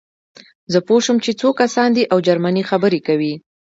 زه پوه شوم چې څو کسان دي او جرمني خبرې کوي